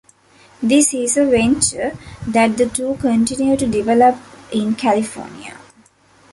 This is a venture that the two continue to develop in California.